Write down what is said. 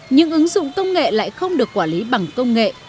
nhưng ứng dụng công nghệ lại không được quản lý bằng công nghệ